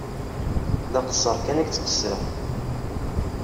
D aqeṣṣer kan i yettqeṣṣir.